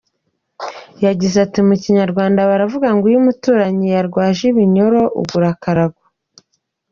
Yagize ati “Mu kinyarwanda baravuga ngo iyo umuturanyi arwaye ibinyoro ugura akarago.